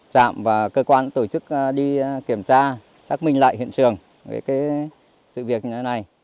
trạm và cơ quan tổ chức đi kiểm tra xác minh lại hiện trường về sự việc như thế này